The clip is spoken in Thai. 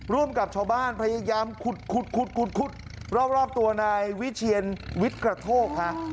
ร่วมกับชาวบ้านพยายามขุดรอบตัวนายวิเชียนวิทย์กระโทกฮะ